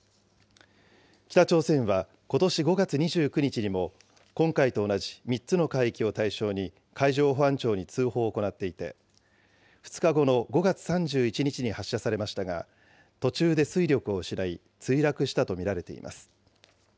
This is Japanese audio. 北朝鮮は、ことし５月２９日にも、今回と同じ３つの海域を対象に海上保安庁に通報を行っていて、２日後の５月３１日に発射されましたが、途中で推力を失い、墜落したと見られています。